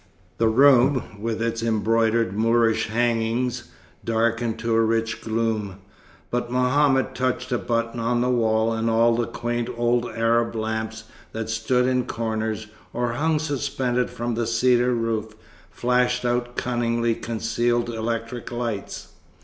The room, with its embroidered Moorish hangings, darkened to a rich gloom; but Mohammed touched a button on the wall, and all the quaint old Arab lamps that stood in corners, or hung suspended from the cedar roof, flashed out cunningly concealed electric lights.